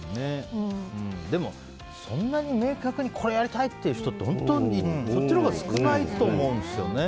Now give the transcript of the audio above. でも、そんなに明確にこれやりたい！っていう人ってそっちのほうが少ないと思うんですよね。